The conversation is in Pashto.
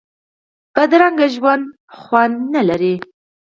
بدرنګه ژوند خوند نه لري